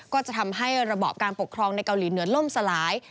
ก็จะทำให้ระบอบการปกครองในเกาหลีเหนือล่มสลาย